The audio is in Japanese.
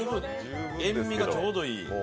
塩みがちょうどいい。